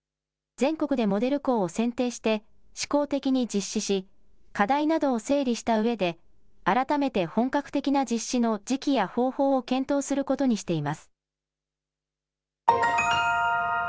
全国でモデル校を選定して試行的に実施し課題などを整理したうえで改めて本格的な実施の時期や方法を検討することにしています。